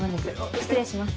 失礼します。